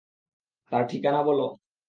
তার ঠিকানা বলো?